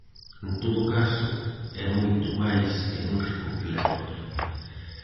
En todo caso, é moito máis que un recopilatorio.